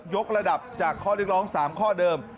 ยกระดับจากข้อลิ้งค์ร้อง๓ข้อเดิม